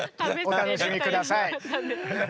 お楽しみ下さい。